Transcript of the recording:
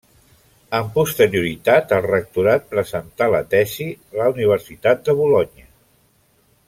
Amb posterioritat al rectorat, presentà la tesi a la universitat de Bolonya.